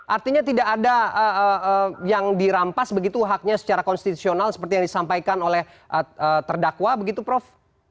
artinya tidak ada yang dirampas begitu haknya secara konstitusional seperti yang disampaikan oleh terdakwa begitu prof